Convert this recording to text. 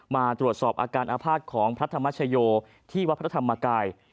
มาตรวจสอบอาการอาภาษณ์ของพระธรรมชโยที่วัดพระธรรมกาย